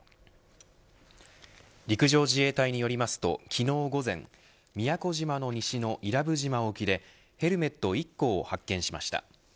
陸上自衛隊によりますと昨日午前宮古島の西の伊良部島沖でヘルメット１個を発見しました。